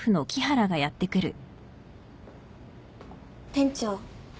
・店長。